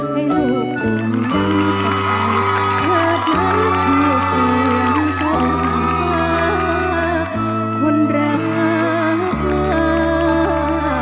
ให้ลูกตัวนั้นถ้าได้ช่วยเสียงตาควรรักมาก